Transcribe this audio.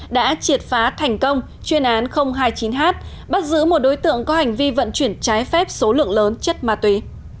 đã triệt phá thành công chuyên án hai mươi chín h bắt giữ một đối tượng có hành vi vận chuyển trái phép số lượng lớn chất ma túy